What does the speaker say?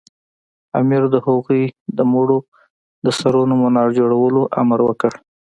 امیر د هغوی د مړو د سرونو منار جوړولو امر وکړ.